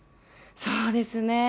そうですね。